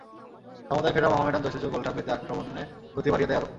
সমতায় ফেরা মোহামেডান জয়সূচক গোলটা পেতে আক্রমণে গতি বাড়িয়ে দেয় আরও।